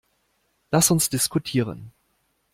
Lass uns diskutieren.